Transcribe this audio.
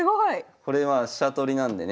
これは飛車取りなんでね